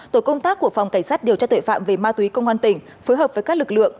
tổ công tác của phòng cảnh sát điều tra tội phạm về ma túy công an tỉnh phối hợp với các lực lượng